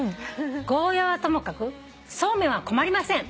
「ゴーヤーはともかくそうめんは困りません」